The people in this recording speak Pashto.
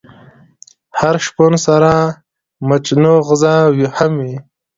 د هر شپون سره مچناغزه هم وی.